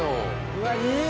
うわっいい！